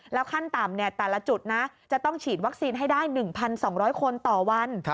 ขั้นต่ำแต่ละจุดนะจะต้องฉีดวัคซีนให้ได้๑๒๐๐คนต่อวัน